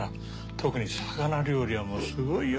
特に魚料理はもうすごいよ。